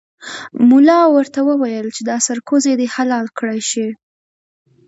ملا ورته وویل چې دا سرکوزی دې حلال کړای شي.